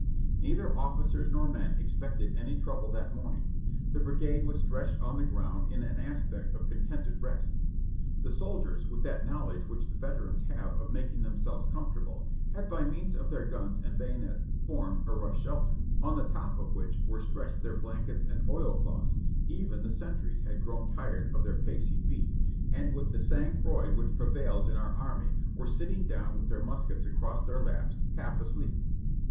"Neither officers nor men expected any trouble that morning. The brigade was stretched on the ground in an aspect of contented rest. The soldiers, with that knowledge which the veterans have of making themselves comfortable, had by means of their guns and bayonets formed a rough shelter, on the top of which were stretched their blankets and oilcloths ; even the sentries had grown tired of pacing their beat, and with the sang froid which 572 JOHNNY REB AND BILLY YANK prevails in our army, were sitting down with their muskets across their laps, half asleep.